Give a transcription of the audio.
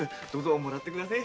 もらってくだせぇ。